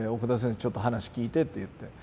ちょっと話聞いて」って言って。